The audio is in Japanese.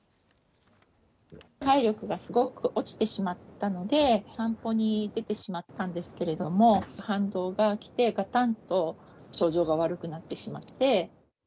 体力がすごく落ちてしまったので、散歩に出てしまったんですけれども、反動が来て、がたんと症状が悪くなってしまって。